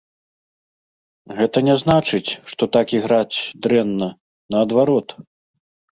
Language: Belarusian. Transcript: Гэта не значыць, што так іграць дрэнна, наадварот.